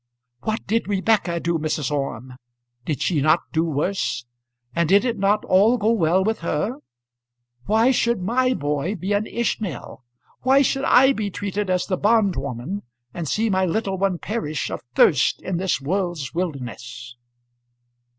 What did Rebekah do, Mrs. Orme? Did she not do worse; and did it not all go well with her? Why should my boy be an Ishmael? Why should I be treated as the bondwoman, and see my little one perish of thirst in this world's wilderness?"